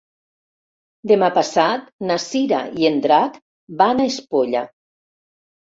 Demà passat na Cira i en Drac van a Espolla.